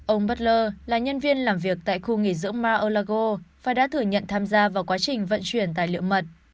ông butler là nhân viên làm việc tại khu nghỉ dưỡng mar a lago và đã thử nhận tham gia vào quá trình vận chuyển tài lượng mật